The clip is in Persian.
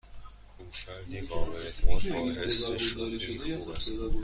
او فردی قابل اعتماد با حس شوخی خوب است.